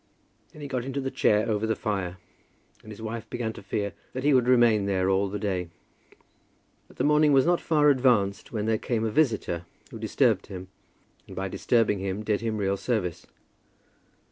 Then he got into the chair over the fire, and his wife began to fear that he would remain there all the day. But the morning was not far advanced, when there came a visitor who disturbed him, and by disturbing him did him real service.